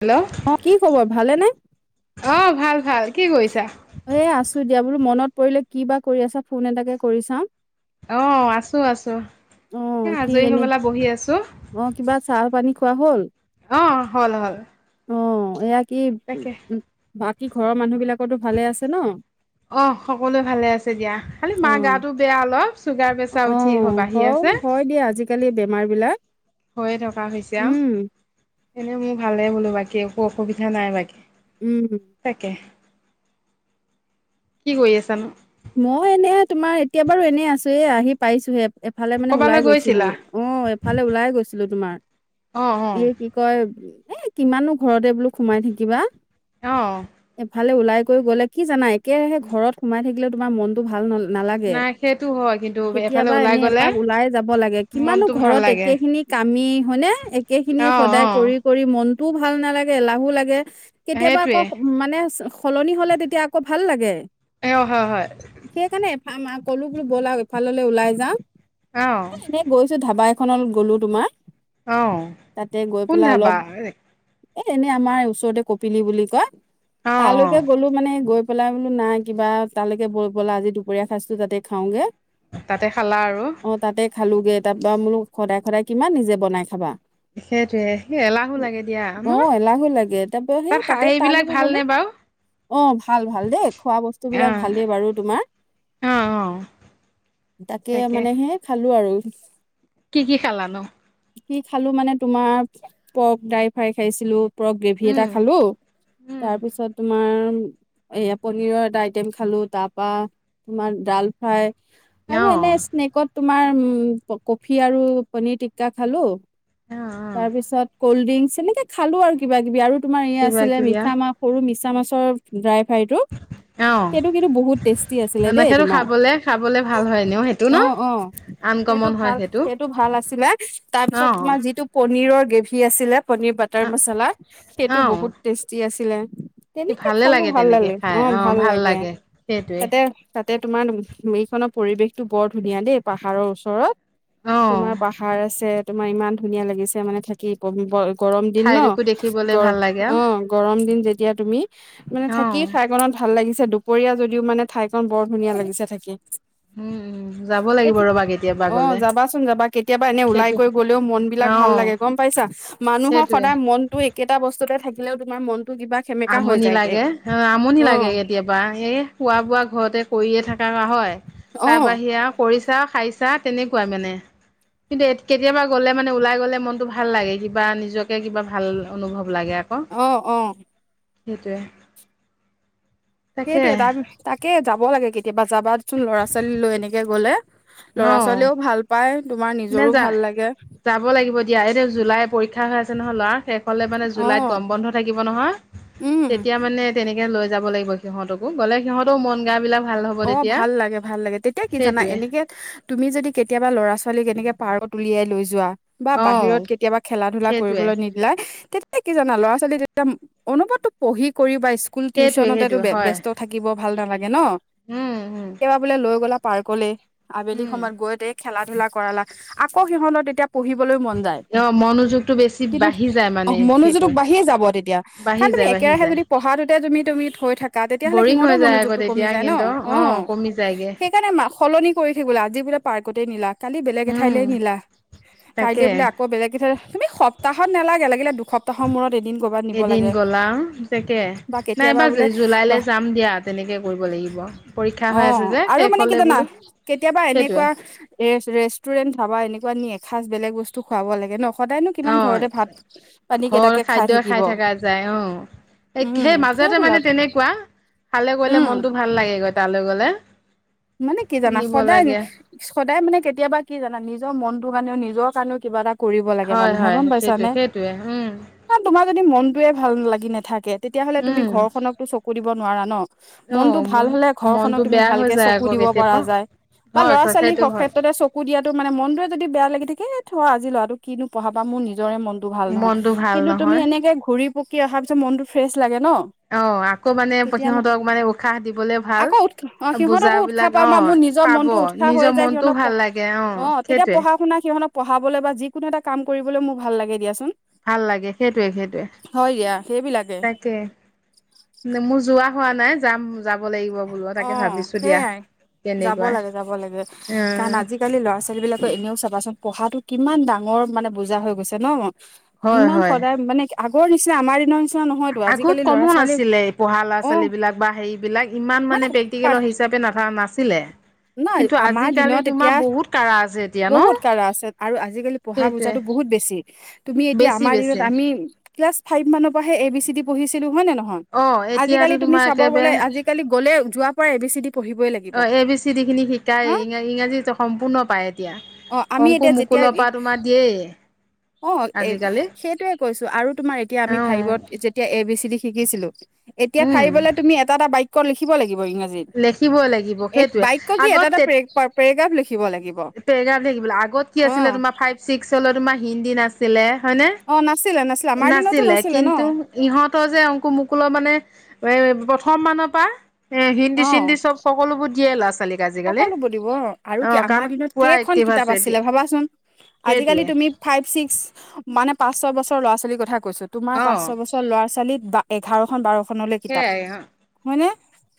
Hello অ কি খবৰ ভালেনে। অ ভাল ভাল কি কৰিছা এ, আছো দিয়া বোলো মনত পৰিলে কি বা কৰি আছা ফোন এটাকে কৰি চাও অ, আছো, আছো অ এ, কি আজৰি এনে হবেলা বহি আছো অ, কিবা চাহ পানী খোৱা হল? অ'হল, হল। অ, এয়া কি তাকে বাকী ঘৰৰ মানুহ বিলাকো ভালে আছে ন? অ, সকলোৱে ভালে আছে দিয়া খালি অ মাৰ গাটো বেয়া অলপ চুগাৰ-প্ৰেছাৰ অ উঠি আহ বাঢ়ি হয় আছে। হয় দিয়া আজিকালি বেমাৰ বিলাক। হৈয়ে থকা হৈছে আৰু উম এনেই মোৰ ভালেই বোলো বাকী একো অসুবিধা নাই বাকী উম। তাকে কি কৰি আছানো? মই এনেহে তোমাৰ এতিয়া বাৰু এনেই আছোয়ে, আহি পাইছোহে। এফালে মানে ক'বালৈ ওলাই গৈছিলো। গৈছিলা অ, এফালে ওলাই গৈছিলো তোমাৰ। অ অ এ, কি কয় এ কিমানো ঘৰতে বোলো সোমাই থাকিবা। আহ। ইফালে ওলাই কৰি গ'লে কি জানা? একেহে ঘৰত সোমাই থাকিলে তোমাৰ মনতটো ভাল নহললে নালাগে নাই সেইটো হয় কিন্তু এফালে কেতিয়াবা ওলাই এনে গ'লে এপাক ওলাই যাব লাগে কিমানো মনটো ভাল ঘৰত লাগে একে খিনিক কামি হয়নে একে অ খিনিয়ে অ সদায় কৰি-কৰি মনতটোও ভাল নালাগে এলাহো লাগে কেতিয়াবা আকৌ সেইটোৱে মানে সলনি হলে তেতিয়া আকৌ ভাল লাগে। অ হয় হয় সেইকাৰণে এফাল কলো বুলি বলা আৰু এফাললে ওলাই যাওঁ। অ এ, এনেই গৈছো ধাবা এখনত গ'লো তোমাৰ অঁ তাতে গৈ কোন পেলাই অলপ ধাবা এ, এনেই আমাৰ ওচৰতে কপিলি বুলি কয়, অঁ অঁ তালৈকে গ'লো মানে গৈ পেলাই বোলো নাই কিবা তালৈকে বলা আজি দুপৰীয়া সজো তাতে খাওঁগে তাতে খালা আৰু অ তাতে খালোগে তাৰপৰা বোলো সদায় সদায় কিমান নিজে বনাই খাবা? সেইটোৱে সেই এলাহো লাগে দিয়া অ, আমাৰ এলাহো লাগে তাৰাপা সেই তাত তাতে সেইবিলাক তালৈক গলো। ভালনে বাৰু অ, ভাল, ভাল দেই খোৱা বস্তু বিলাক ভাল অঁ খালে বাৰু তোমাৰ অঁ অঁ তাকে মানে হে খালো আৰু [unintelligible] কি কি খালানো? কি খালো মানে তোমাৰ পৰ্ক দাইল ফ্ৰাই খাইছিলো পৰ্ক গ্ৰেভি এটা উম খালো উম তাৰ পিছত তোমাৰ এয়া পনীৰৰ এটা আইটেম খালো খালো তাৰ পৰা তোমাৰ ডাল ফ্ৰাই আৰু অঁ এনে স্নেকত তোমাৰ উম কফি আৰু পনীৰ টিকা খালো অঁ অঁ তাৰপিছত কলড্ৰিংকছ তেনেকে খালো আৰু কিবা-কিবি আৰু তোমাৰ ই কিবা আছিলে, কিবি মিছা মাছ সৰু মিছা মাছৰ ড্ৰাইফাৰাই ফাৰাইটো অঁ সেইটো কিন্তু বহুত টেষ্টি আছিলে দেই এনেকেতো তোমাৰ খাবলে খাবলে ভাল হয় এনেও সেইটো অ ন অ', সেই সেইটো আনকমন হয় ভাল সেইটো ভাল আছিলে তাৰ পিছত অঁ তোমাৰ যিটো পনিৰৰ গ্ৰেভি আছিলে, পনীৰ বাটাৰ মচালা, সেইটো অঁ বহুত টেষ্টি আছিলে। কি তেনেকে ভালে খালো ভাল তেনেকে লাগে। খাই অ' অঁ ভাল লাগে সেইটোৱে তাতে তাতে তোমাৰ এইখনৰ পৰিৱেশটো বৰ ধুনীয়া দেই পাহাৰৰ ওচৰত। অঁ তোমাৰ পাহাৰ আছে, তোমাৰ ইমান ধুনীয়া লাগিছে মানে থাকি গৰম দিন ন? ঠাইডোখো দেখিবলে গ ভাল লাগে অ আৰু গৰম দিন যেতিয়া তুমি মানে থাকি অঁ ফাগনত ভাল লাগিছে। দুপৰীয়া যদিও মানে ঠাইখনন বৰ ধুনীয়া লাগিছে থাকি। উম, উম যাব লাগিব কেতি ৰবাকী? অ, যাবাচোন যাবা কেতিয়াবা এনে ওলাই সেইটো গৈ গলেও মন বিলাক অ ভাল লাগে গম পাইছা। মানুহৰ সেইটোৱে সদায় মনতো একেটা বস্তুতে থাকিলে তোমাৰ মন আমনি লাগে। অ, আমনি অ লাগে কেতিয়াবা এ খোৱা-বোৱা ঘৰতে কৰিয়ে থকা হয় অ তাৰ বাহিৰে আৰু কৰিছা, খাইছা তেনেকুৱাই মানে। কিন্তু কেতিয়াবা গ'লে মানে ওলাই গলে মনটো ভাল লাগে কিবা নিজকে কিবা ভাল অনুভৱ লাগে আকৌ অহ অহ। সেইটোৱে। তাকে সেইটোয়ে তাৰ তাকে যাব লাগে কেতিয়াবা যাবাচোন ল'ৰা- ছোৱালী লৈ এনেকে গলে। ল'ৰা- ছোৱালীও ভাল পায়। তোমাৰ নিজৰো ভাল নেযায়, লাগে যাব লাগিব দিয়া এইটো জুলাই পৰীক্ষা হৈ আছে নহয় ল'ৰা শেষ হলে মানে জুলাইত অ', গৰম বন্ধ থাকিব নহয়, উম, তেতিয়া মানে তেনেকে লৈ যাব লাগিব সিহঁতকো গ'লে সিহঁতৰ মন গা বিলাক ভাল হ'ব অ তেতিয়া। ভাল লাগে ভাল লাগে তেতিয়া কি জানা সেইটোৱে এনেকে তুমি যদি কেতিয়াবা ল'ৰা- ছোৱালীক এনেকে পাৰত উলিয়াই লৈ যোৱা বা অ বাহিৰত কেতিয়াবা খেলা ধূলা সেইটোৱে কৰিবলৈ নিদিলা এই কি জানা ল'ৰা ছোৱালী তেতিয়া অনুভৱটো পঢ়ি কৰি বা স্কুল সেইটোৱে টিউচনতেতো সেইটোৱে হয় ব্যস্ত থাকিব ভাল নালাগে ন। উম উম সেইবাবে বোলে লৈ গ'লা পাৰ্কলে আবেলি উম সময়ত গৈ দে খেলা ধূলা কৰালা আকৌ সিহঁতত এতিয়া পঢ়িবলৈ মন যায়, অ মনোযোগটো বেছি কিন্তু বাঢ়ি যায় মানে আহ মনোযোগটো সেইটোৱে বাঢ়িয়ে যাব তেতিয়া বাঢ়ি কাৰণ তুমি যায় বাঢ়ি একেৰাহে যায় যদি পঢ়াটাতে তুমি তুমি থৈ থাকা তেতিয়াহলে বৰিং হৈ সিহতৰ যায় আকৌ মনোযোগটো কমি তেতিয়া যায় ন। সিহঁতৰ অ, কমি যায়গে সেইকাৰণে মা সলনি কৰি থাকিব লাগে আজি বোলে পাৰ্কতে নিলা কালি বেলেগ উম এঠাইলৈ নিলা, কাইলে তাকে বোলে আকৌ বেলেগ এঠাই মানে সপ্তাহত নেলাগে লগিলে দূ সপ্তাহৰ মূৰত এদিন কৰ'বাত নিব এদিন লাগে গ'লা তাকে বা কেতিয়াবা বোলে তেনেকৈ কৰিব লাগিব। পৰীক্ষা অ হৈ আছে যে আৰু শেষ মানে কি হলে না বোলো কেতিয়াবা সেইটোৱে এনেকুৱা এ ৰেষ্টুৰেন্ট ধাবা এনেকুৱা এসাজ বেলেগ বস্তু খুৱাব লাগে ন। সদায়নো কিমান ঘৰতে অ ভাত পানী ঘৰ কেইটাকে খাই খাদ্যই থাকিব। থকা যায় অ উম সেই মাজতে মানে সেইবিলাক। তেনেকুৱা খালে কৰিলে উম মনটো ভাল লাগেগৈ তালৈ গলে। মানে কি জানা নিব সদায় লাগে সদায় মানে কেতিয়াবা কি জানা নিজৰ মনটো মানে নিজৰ কাৰণেও কিবা এটা কৰিব লাগে হয় মানুহে হয় গম সেইটো পাইছানে সেইটোৱে উম তোমাক যদি মনটোয়ে ভাল লাগি নাথাকে তেতিয়াহ'লে তুমি উম ঘৰ খনকতো চকু দিব নোৱাৰা ন। অ মনটো ভাল হলে ঘৰ খনক মনটো তুমি বেয়া হৈ ভালকে চ যায় কু আকৌ দিব পৰা কেতিয়াবা যায় বা হয় ল'ৰা হয় -ছোৱালী সেইটো হওঁক হয় ক্ষেত্ৰতে চকু দিয়াতো মানে মনটোয়ে যদি বেয়া লাগি থাক তে থোৱা আজি ল'ৰাটো কিনো পঢ়াবা মোৰ নিজৰে মনটো ভাল নহয় মনটো ভাল কিন্তু তুমি নহয় এনেকে ঘূৰি পকি অহাৰ পিছত মনটো ফ্ৰেছ লাগে। ন অ আকৌ মানে তেতিয়া সিহঁতক মানে উশাহ দিবলে ভাল আকৌ উৎসাহ অ সিহঁতকো উৎসাহ বুজাবিলাক পাম অ বা মোৰ নিজৰ পাব মনটো উৎসাহ হৈ নিজৰ যায় মনটোও সিহতক ভাল লাগে অ তেতিয়া সেইটোৱে পঢ়া শুনা ত পঢ়াবলৈ বা যিকোনো এটা কাম কৰিবলৈ মোৰ ভাল লাগে দিয়াচোন। ভাল লাগে সেইটোৱে সেইটোৱে হয় দিয়া সেইবিলাকে তাকে মোৰ যোৱা হোৱা নাই যাম যাব লাগিব বোলো অ তাকে ভাবিছো দিয়া। সেইয়াই যাব তেনেকুৱা লাগে যাব লাগে কাৰণ উম আজিকালি ল'ৰা ছোৱালী বিলাকে এনেও চাবাচোন। পঢ়াটো কিমান ডাঙৰ মানে বুজা হৈ গৈছে ন হয় ইমান হয় সদায় মানে বৰ নিচনা আমাৰ দিনৰ নিচিনা নহয়তো আগত আজিকালি ল'ৰা কমো ছোৱালী নাছিলে পঢ়া ল'ৰা অ ছোৱালী বিলাক বা হেৰি বিলাক ইমান ইমান মানে প্ৰেক্টিকেলৰ হিচাপে নাথা নাছিলে। নাই কিন্তু আমাৰ আজিকালি দিনত তোমাৰ এতিয়া বহুত কাৰা আছে এতিয়া ন বহুত কাৰণ আছে, আৰু আজিকালি পঢ়া সেইটোৱে বুজাতো বহুত বেছি, তুমি এতিয়া বেছি আমাৰ দিনত বেছি আমি ক্লাছ ফাইভ মানৰ পৰাহে এ বি চি ডি পঢ়িছিলো হয় নে নহয়? অ এতিয়াতো আজিকালি তুমি তোমাৰ চাব একেবাৰে গলে আজিকালি গলে যোৱাৰ পৰা এ বি চি ডি পঢ়িবই লাগিব। অ এ বি চি ডি খিনি শিকায় হা ইংৰাজী সম্পূৰ্ণ পায় এতিয়া। অ আমি অংকু এতিয়া যেতিয়া মুকুলৰ পৰা তোমাৰ দিয়েই অ আজিকালি সেইটোৱে কৈছো আৰু তোমাৰ এতিয়া অ আমি ফাইভত যেতিয়া এ বি চি ডি শিকিছিলো। এতিয়া উম ফাইবলৈ তুমি এটা এটা বাক্য লিখিব লাগিব। লিখিবই লাগিব ইংৰাজীত সেইটোৱে বাক্য কি আগত এটা এটাে তে পেৰেগ্ৰাফ লিখিব লাগিব। কি বোলে আগত কি আছিলে অ তোমাৰ ফাইভ ছিক্স হলে তোমাৰ হিন্দী নাছিলে হয়নে অ নাছিলে নাছিলে আমাৰ দিনতো নাছিলে ন কিন্তু ইহঁতৰ যে অংকু মুকুলৰ মানে এ প্ৰথম মানৰ পৰা এ হিন্দী চিন্দি চব সকলোবোৰ দিয়ে ল'ৰা- ছোৱালীক। আজিকালি সকলো বু দিব আৰু অ কি কাৰণ আমাৰ দিনত পুৰা কেইখন এক্টিভ কিতাপ আছে আছিলে এতিয়া ভাবাচোন? আজিকালি সেইটোৱে তুমি ফাইভ ছিক্স মানে পাঁচ ছয়ছৰ ল'ৰা ছোৱালীৰ কথা কৈছো তোমাৰ অ পাঁ ছয় বছৰ ল'ৰা ছোৱালী বা এঘাৰখন বাৰ কিতাপ সেইয়াই অ হয়নে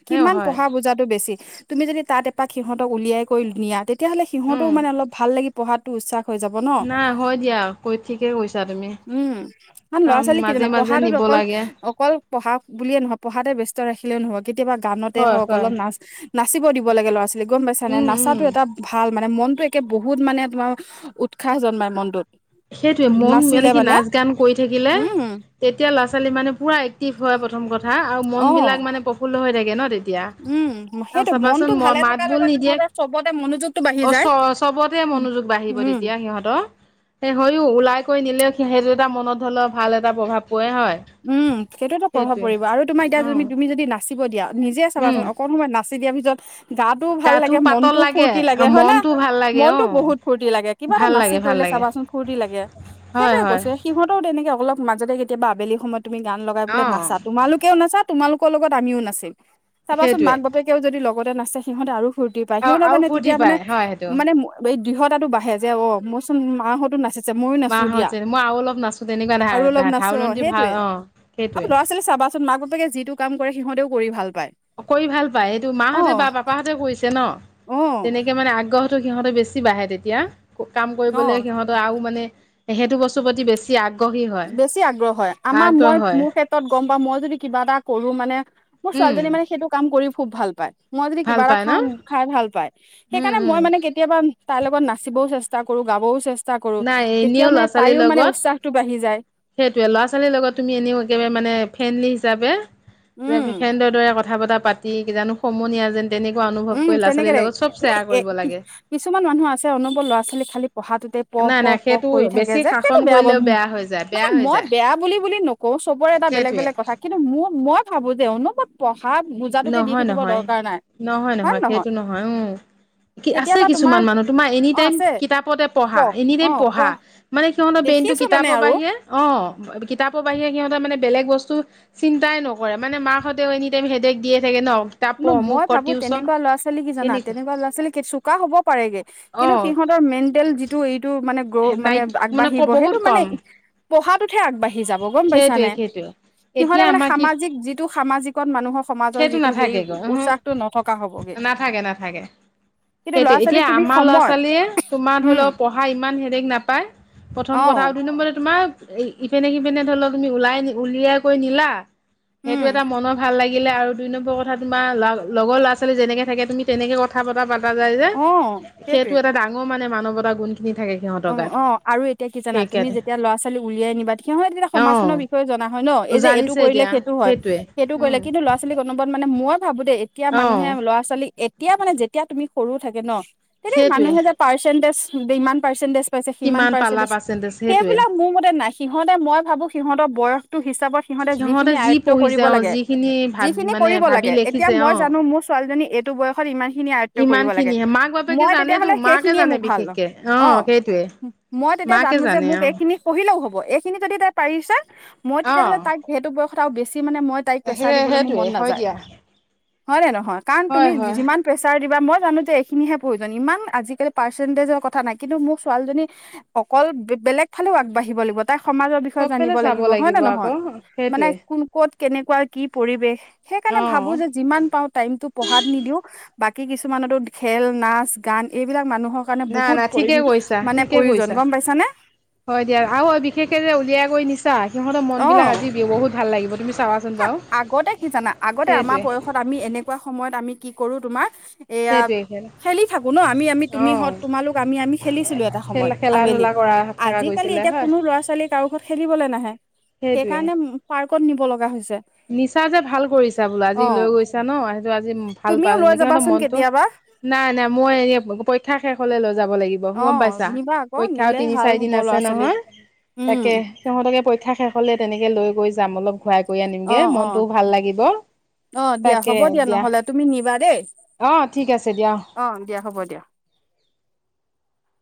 সেই কিমান হয় পঢ়া বুজাতটো বেছি তুমি যদি তাত সিহঁক উলিয়াই কৰি নিয়া তেতিয়াহ'লে সিহঁতেও উম মানে অলপ ভাল লাগি পঢ়াটো উচ্ছাস নাই হয় দিয়া কৈ ঠিকে কৈছা তুমি। উম আম ল'ৰা কাৰণ ছোৱালী মাজে কি'জানা মাজে পঢ়াটোত নিব অকল লাগে অকল পঢ়া বুলিয়ে নহয় পঢ়াতে ব্যস্ত ৰাখিলেও নহয় কেতিয়াবা গানতে হয় হওক হয় অলপ নাচ নাচিব দিব লাগে ল'ৰা ছোৱালী গম পাইছা নে উম নাচাটো উম এটা ভাল মানে মনতটো একে বহুত মানে তোমাৰ উৎসাহ জন্মাই মনটোত। সেইটোয়ে মন মানে নাচ গান কৰি থাকিলে উম তেতিয়া ল'ৰা ছোৱালী মানে পুৰা এক্টিভ হয় প্ৰথম হা আৰু মন অ বিলাক মানে প্ৰফুল্ল হৈ থাক ন তে উম এতিয়া সেইটো মনটো চাবাচোন মই ভালে থকাৰ মাত বল লগত নিদিয়ে সিহঁতৰ চবতে মনোযোগটো বাঢ়ি অ যায় চ চবতে উম মনোযোগ বাঢ়িব উম। তেতিয়া সিহঁতৰ। হয়ও ওলাই কৰি নিলেও সেইটো এটা মনত ধৰি লও ভাল এটা প্ৰভাৱ পৰে হয়। উম সেইটোতো প্ৰভাৱ সেইটোৱে পৰিব আৰু তোমাৰ এতিয়া উম য তুমি যদি নাচা নিবা দিয়া নিজে উম চাবাচোন অকণ সময় নাচিদিয়া পিছত গাটোও ভাল গাটো লাগে পাতল মনতটোও ফূৰ্তি লাগে হয় না? মনটো ভাল লাগে অ মনতটো বহুত ফূৰ্তি লাগে কিবা এটা ভাল নাচি লাগে ভাল কৰিলে লাগে চাবাচোন ফুৰৰ্তি লাগে হয় সেইটোৱে হয় কৈছো সিহঁতেও তেনেকে অলপ মাজতে কেতিয়াবা আবেলি সময়ত তুমি গান অ লগাইলৈ নাচা তোমালোকেও নাচা তোমালোকৰ লগত আমিও নাছিম। চাবাচোন সেইটোৱে মাক বাপেকেও যদি লগতে নাছে সিহঁতে আৰু ফূৰ্তি পায় আৰু সিহঁতৰ আৰু মানে ফূৰ্তি তেতিয়া মানে পায় হয় সেইটো মানে দৃঢতা'তো বাঢ়ে যে অ মইচোন মাহঁতো নাছিল ময়ো নাচো মাহ দিয়া হৈছে মই আৰু অলপ নাচো তেনেকুৱা ধা আৰু ধা অলপ নাচো ধাউলন্তি সেই ভাল অ সেইটোৱে ল'ৰা ছোৱালী চাবাচোন মাক বাপেকে যিটো কাম কৰে সিহঁতেও কৰি ভাল পায় কৰি ভাল পায় এইটো অ মাহঁতে বা পাপাহঁতে কৰিছে ন? অ তেনেকে মানে আগ্ৰহ সিহঁতে বেছি বাঢ়ে তেতিয়া কাম অ কৰিবলৈ সিহঁতে আৰু মানে সেইটো বস্তুৰ প্ৰতি বেছি আগ বেছি আগ্ৰহ হয় আমাৰ মই হয় মোৰ ক্ষেত্ৰত গ'ম পাম বা মই যদি কিবা এটা কৰো মানে মোৰ উম ছোৱালীজনী মানে সেইটো কাম কৰি খুব ভাল পায়। মই যদি ভাল কিবা এটা পাই ন খাও খাই ভাল পাই উম সেইকাৰণে উম মই মানে কেতিয়াবা তাইৰ লগত নাচিবও চেষ্টা চেচতাও কৰো গাবও চেষ্টা কৰো নাই তেতিয়া মানে তাইও মানে উচসাহতটো বাঢ়ি যায়। সেইটোয়ে ল'ৰা ছোৱালীৰ লগত তুমি এনেও একেবাৰে মানে ফ্ৰেণ্ডলি হিচাপে যে উম ফেণ্ডৰ দৰে কথা বতা পাতি কি জানো সমনীয়া যেন তেনেকুৱা অনুভৱ উম কৰি ল'ৰা ছোৱালীৰ তেনেকেৰে লগত চব শ্বেয়াৰ এ কৰিব কি লাগে কিছুমান মানুহ আছে অন'বত ল'ৰা -ছোৱালী খালী পঢ়াটোতে পঢ় নাই পঢ় নাই পঢ় সেইটো কৰি থাকে বেছি যে সেইটো শাসন বেয়া ব কৰিলেও হৈ যায় মানে বেয়া হৈ মই যায় বেয়া বুলি বুলি নকওঁ চবৰে এটা বেলেগ সেইটোৱে বেলেগ কথা কিন্তু ম মই ভাবো যে অনবত প ঢ়া বোজাটোকে দি থাকিব দৰকাৰ নাই। হয় নহয় সেইটো নহয় উম আছে কিছুমান মানুহ তোমাৰ এনি অ টাইম আছে কিতাপতে পঢ়া পঢ় এনি অ টাইম পঢ়া পঢ় মানে সিহত বেইনটো দেখিছো মানে কিতাপৰ আৰু বাহিৰে অ অ কিতাপৰ বাহিৰে সিহঁতৰ মানে বেলেগ বস্তু চিন্তাই নকৰে মানে মাক হতেও এনি টাইম হেদেক দিয়ে থাকে ন? কিতাপ পঢ় মোক মই কৰ ভাবো টিউচন তেনেকোৱা ল'ৰা- ছোৱালী কি জানা তেনেকুৱা তেনেকোৱা ল'ৰা- ছোৱালী চোকা হ'ব পাৰেগে অ কিন্তু সিহঁত মেণ্টেল যিটো এইটো মানে গ্ৰ মানে নাই মানে ক আগবাঢ়িব বহুত সেইটো মানে কম পঢ়াটোতহে আগবাঢ়ি যাব গম সেইটোৱে পাইছানে সেইটোৱে সিহঁতে এতিয়া মানে আমাৰ কি সামাজিক যিটো সামাজিকত মানুহৰ সমাজৰ যিটো সেই উমহো উৎসাহটো নথকা হ'বগে নাথাকে-নাথাকে কিন্তু সেইটোৱে ল'ৰা ছোৱালীক এতিয়া তুমি আমাৰ সময় ল'ৰা-ছোৱালীয়ে তোমাৰ ধৰি উম লওক পঢ়া ইমান হেডেক নাপায় প্ৰথম অ', কথা আৰু দুই নম্বৰতে তোমাৰ ইপিনে-সিপিনে ধৰি লও তুমি ওলাই উলিয়াই কৈ নিলা সেইটো উম, এটা মনৰ ভাল লাগে গিলে আৰু দুই নম্বৰ কথা তোমাৰ লগৰ ল'ৰা ছোৱালী যেনেকে থাকে তুমি তেনেকে কথা পতা পা যায় যে অ', সেইটো এটা ডাঙৰ মানে মানৱতা গুণ অ-অ আৰু এতিয়া কি জানা তুমি সেইকাৰণে যেতিয়া ল'ৰা ছোৱালী উলিয়াই নিবা কি হয় তেতিয়া সমাজখনৰ অ বিষয়ে জ না হয় ন এই যে এইটো জানিছে কৰিলে এতিয়া সেইটো হয় সেইটোৱে সেইটো কৰিলে উম কিন্তু লৰা ছোৱালীক অনবত মানে মই ভাবো দেই এতিয়া অ মানুহে ল'ৰা-ছোৱালী এতিয়া মানে যেতিয়া তুমি সৰু থাকে ন ন [unintelligible] সেই সেইটোৱে মানুহে যে পাৰ্চেণ্টেজ ইমান পাৰ্চেন্টেজ পাইছে সিমান কিমান পালা পাৰ্চেন্টেজ সেইটোৱে সেইবিলাক মোৰ মতে নাই সিহঁতে মই ভাবো সিহঁতৰ বয়স টো হিচাপত সিহঁতে যিখিনি যি আয়ত্ব কৰিব পঢ়িছে অ লাগে যিখিনি ভাব যিখিনি মানে কৰিব ভাবি লাগে এতিয়া লিখিছে মই অ জানো মোৰ ছোৱালীজনী এইটো বয়সত ইমানখিনি আয়ত্ব ইমান কৰিব লাগে খিনিহে মাক বাপেকে মই জানেতো তেতিয়াহ'লে মাকে সেইখিনিয়ে জানে মোৰ ভাল বিশেষকে অ সেইটোৱে মই তেতিয়া মাকে জানো যে জানে মোক অ এইখিনি পঢ়িলেও হ'ব এইখিনি যদি তাই পাৰিছে মই অ তেতিয়াহ'লে তাক সেইটো বয়স মানে মই তাক প্ৰেচাৰ সেই দিবলে সেইটোৱে মন হয় নাযায় দিয়া হয়নে নহয় কাৰণ তুমি হয় হয় যিমান প্ৰেচাৰ দিবা মই জানো যে এইখিনিহে প্ৰয়োজন ইমান আজিকালি পাৰ্চেণ্টেজৰ কথা নাই কিন্তু মোৰ ছোৱালীজনী অকল বেলেগ ফালেও আগবাঢ়িব লাগিব তাই সমাজৰ চব বিষয়ে ফালে জানিব চাব লাগিব হয় নে আকৌ নহয় মানে সেইটোৱে কোন ক'ত কেনেকোৱা কি পৰিবেশ সেইকাৰণে অ ভাবো যে যিমান পাও টাইমটো পঢ়াত নিদিওঁ বাকী কিছুমানতো খেল, নাচ, গান এইবিলাক মানুহৰ কাৰণে না বহুত না পৰি ঠিকে কৈছা মানে ঠিকে প্ৰয়োজন কৈছা গম পাইছানে হয় দিয়া আৰু বিশেষকে যে উলিয়াই গৈ নিছা সিহঁতৰ অ মনবিলাক আজি বহুত ভাল লাগিব তুমি চাবাচোন বাৰু আগতে কি জানা আগতে আমাৰ সেইটোৱে বয়সত আমি এনেকোৱা সময়ত আমি কি কৰো তোমাৰ এয়া সেইটোৱেই সেই খেলি থাকো ন আমি-আমি তুমি হ‌ওক তোমালোক আমি আমি খেলিছিলো এটা খেল সময়ত খেলা আবেলি ধূলা কৰা থকা আজিকালি গৈছিলে এতিয়া হয় কোনো ল'ৰা ছোৱালী কাৰো ঘৰত খেলিবলৈ নাহে সেই সেইটোৱে কাৰণে পাৰ্কত নিব লগা হৈছে নিচা যে ভাল কৰিছা বোলো অ আজি লৈ গৈছা ন সেইটো আজি ভাল তুমিও পাম লৈ সিহঁতৰ যাবাচোন মনটো কেতিয়াবা নাই-নাই মই এনে পৰীক্ষা শেষ হ'লে লৈ যাব লাগিব গম অ', পাইছা নিবা আকৌ পৰীক্ষা নিলে তিনি ভাল চাৰি হ'ব দিন আছে ল'ৰা ছোৱালী নহয় উম, তাকে সিহঁতকে পৰীক্ষা শেষ হলে তেনেকে লৈ গৈ যাম অলপ ঘূৰাই কৰি আনি মগে অ', অ', মনটোও ভাল লাগিব। অ দিয়া হ'ব দিয়া নহলে তুমি নিবা দেই অহ ঠিক আছে দিয়া। অ', দিয়া হ'ব দিয়া। [inaudible]